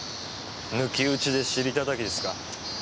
抜き打ちで尻叩きですか。